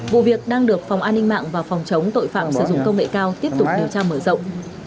vụ việc đang được phòng an ninh mạng và phòng chống tội phạm sử dụng công nghệ cao tiếp tục điều tra mở rộng